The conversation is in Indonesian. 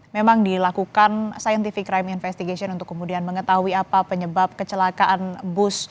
memang dilakukan scientific crime investigation untuk kemudian mengetahui apa penyebab kecelakaan bus